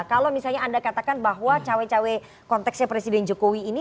kalau misalnya anda katakan bahwa cawe cawe konteksnya presiden jokowi ini